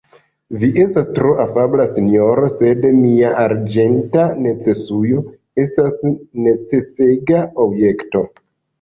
Vi estas tro afabla, sinjoro, sed mia arĝenta necesujo estas necesega objekto.